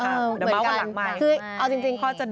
เดี๋ยวเม้ากันหลังไม้พอจะเดาร้านได้เออจริง